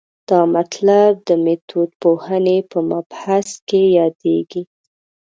دا مطلب د میتودپوهنې په مبحث کې یادېږي.